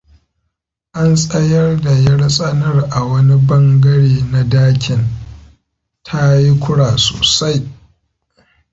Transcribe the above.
An tsayar da yar tsanar a wani bangare na dakin, ta yi kura sosai.